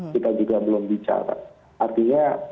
kita juga belum bicara artinya